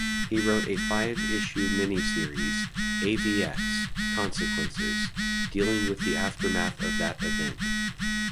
He wrote a five-issue miniseries "AvX: Consequences", dealing with the aftermath of that event.